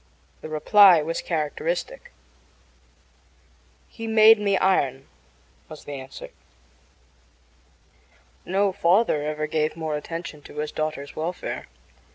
The reply was characteristic. "He made me iron," was the answer. No father ever gave more attention to his daughter's welfare.